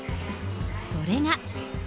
それが。